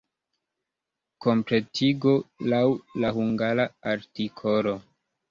Kompletigo laŭ la hungara artikolo.